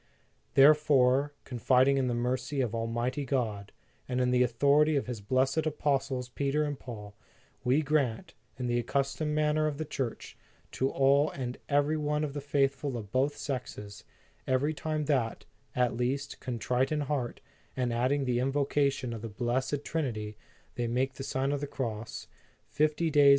"Therefore, confiding in the mercy of the Almighty God, and in the authority of His blessed apostles, Peter and Paul, we grant, in the accustomed manner of the Church, to all and every one of the faithful of both sexes, every time that, at least, contrite in heart, and adding the invocation of the Blessed Trinity, they make the sign of the cross, fifty days 22 Preface to the Second Edition.